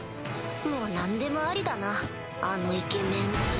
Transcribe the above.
もう何でもありだなあのイケメン。